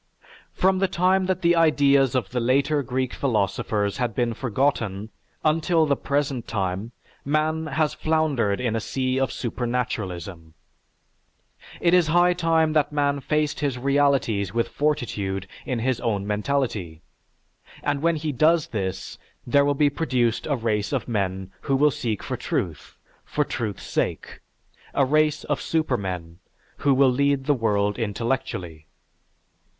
From the time that the ideas of the later Greek philosophers had been forgotten until the present time, man has floundered in a sea of supernaturalism. It is high time that man faced his realities with fortitude in his own mentality, and when he does this, there will be produced a race of men who will seek for truth, for truth's sake, a race of supermen who will lead the world intellectually.